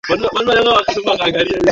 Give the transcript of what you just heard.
karibu na mji mkuu mosco kushika moto